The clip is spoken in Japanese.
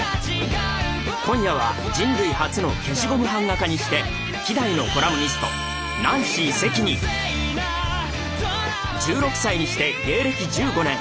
今夜は人類初の消しゴム版画家にして稀代のコラムニストナンシー関に１６歳にして芸歴１５年。